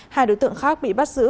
hai đối tượng khác bị bắt giữ